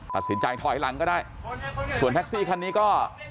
ตัดสินใจถอยหลังก็ได้ส่วนแท็กซี่คันนี้ก็